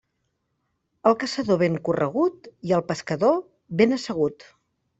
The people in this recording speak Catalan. El caçador, ben corregut, i el pescador, ben assegut.